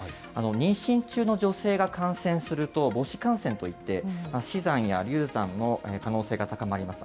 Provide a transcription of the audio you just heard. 妊娠中の女性が感染すると、母子感染といって、死産や流産の可能性が高まります。